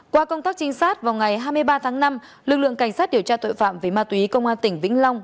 qua công tác trinh sát vào ngày hai mươi ba tháng năm lực lượng cảnh sát điều tra tội phạm về ma túy công an tỉnh vĩnh long